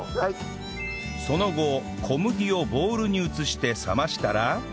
その後小麦をボウルに移して冷ましたら